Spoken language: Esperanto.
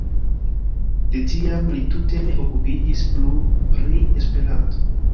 De tiam li tute ne okupiĝis plu pri Esperanto.